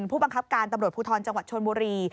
ผู้บังคับการตำรวจภูทรจังหวัดชนบุรี